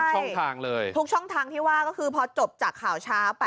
ใช่ทุกช่องทางที่ว่าก็คือพอจบจากข่าวเช้า๘๓๐ปั๊บ